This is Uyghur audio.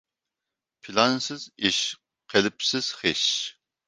پىلانسىز ئىش، قېلىپسىز خىش.